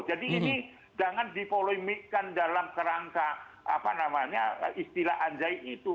jadi ini jangan dipolemikan dalam kerangka istilah anjai itu